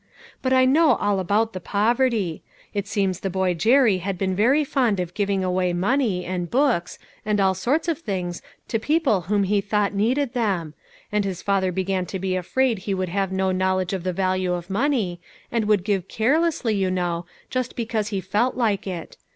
But I know all about the poverty. It seems the boy Jerry had been very fond of giving away money, and books, and all sorts of things to people whom he thought needed them ; and his father began to be afraid he would have no knowledge of the value of money, and would give carelessly, you know, just because he felt like it.